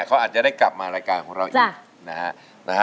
เขาอาจจะได้กลับมารายการของเราอีกนะฮะ